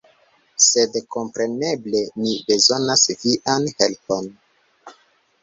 Sed kompreneble mi bezonas vian helpon!